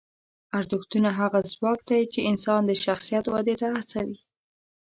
ارزښتونه هغه ځواک دی چې انسان د شخصیت ودې ته هڅوي.